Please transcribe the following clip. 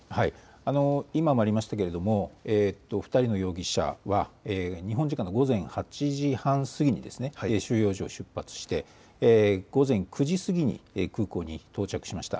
今もありましたけれども２人の容疑者が日本時間の午前８時半過ぎに収容所を出発して午前９時過ぎに空港に到着しました。